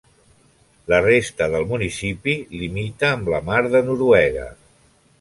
La resta del municipi limita amb la mar de Noruega.